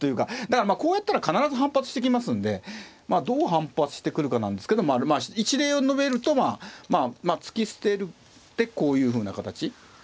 だからまあこうやったら必ず反発してきますんでまあどう反発してくるかなんですけど一例を述べると突き捨ててこういうふうな形。